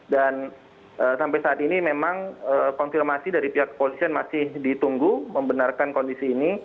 dan sampai saat ini memang konfirmasi dari pihak kepolisian masih ditunggu membenarkan kondisi ini